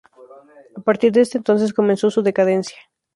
A partir de entonces, comenzó su decadencia.